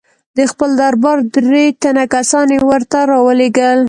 د خپل دربار درې تنه کسان یې ورته را ولېږل.